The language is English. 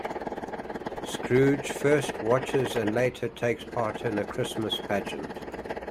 Scrooge first watches and later takes part in a Christmas pageant.